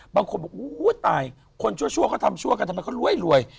บางคนบอกอู้ตายคนชั่วเขาทำชั่วกันทำไมเขารวย